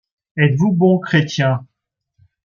Êtes-vous bon chrétien?